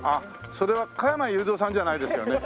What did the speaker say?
それは加山雄三さんじゃないですよね。